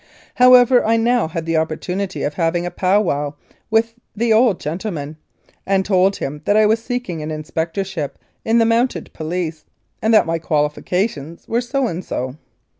However, I now had the opportunity of having a "pow wow" with the old gentleman, and told him that I was seeking an inspectorship in the Mounted Police, and that my qualifications were so and so.